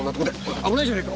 危ないじゃないか。